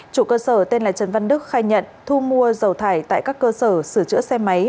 chủ cơ sở tên là trần văn đức khai nhận thu mua dầu thải tại các cơ sở sửa chữa xe máy